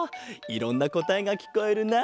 いろんなこたえがきこえるな。